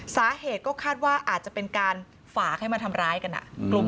สาเหตุก็คาดว่าอาจจะเป็นการฝากให้มาทำร้ายกัน